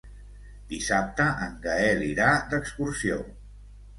Dissabte en Gaël irà d'excursió.